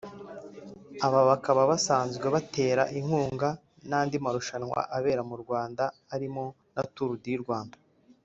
aba bakaba basanzwe banatera inkunga n’andi marushanwa abera mu Rwanda arimo na Tour du Rwanda